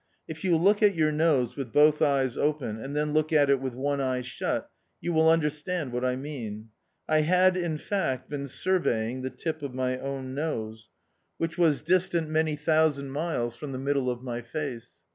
If you look at your nose with both eyes open, and then look at it with one eye shut, you will understand what I mean. I had, in fact, been survey iuo the tip of my own nose, which wa& 22 THE OUTCAST. distant many thousand miles from the middle of my face.